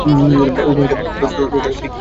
ও মেয়েটা, ধরতে গেলে, রীতিমতো নোংরাই।